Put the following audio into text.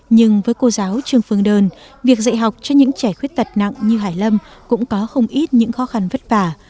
nhưng với cô giáo trương phương đơn việc dạy học cho những trẻ khuyết tật nặng như hải lâm cũng có không ít những khó khăn vất vả